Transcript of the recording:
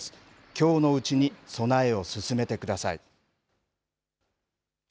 きょうのうちに備えを進めてください。